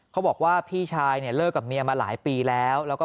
เขาบอกว่าพี่ชายเนี่ยเลิกกับเมียมาหลายปีแล้วแล้วก็